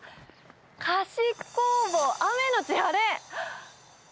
菓子工房雨のち晴れ。